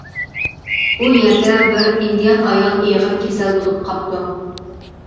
ئۇ يەردە بىر ئىندىيان ئايال ئېغىر كېسەل بولۇپ قاپتۇ.